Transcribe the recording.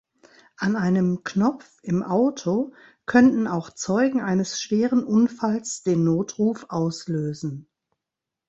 An einem Knopf im Auto könnten auch Zeugen eines schweren Unfalls den Notruf auslösen.